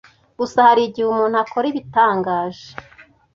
gusa hari igihe umuntu akora ibitangaje